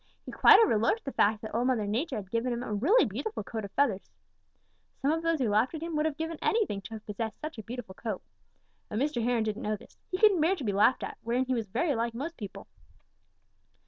He quite overlooked the fact that Old Mother Nature had given him a really beautiful coat of feathers. Some of those who laughed at him would have given anything to have possessed such a beautiful coat. But Mr. Heron didn't know this. He couldn't bear to be laughed at, wherein he was very like most people.